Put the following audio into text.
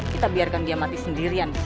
kita biarkan dia mati sendirian